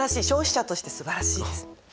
消費者としてすばらしいです。